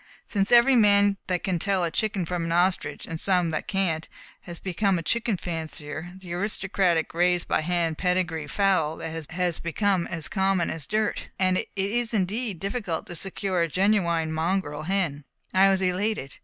Since every man that can tell a chicken from an ostrich and some that can't has become a chicken fancier, the aristocratic, raised by hand, pedigree fowl has become as common as dirt, and it is indeed difficult to secure a genuine mongrel hen. I was elated.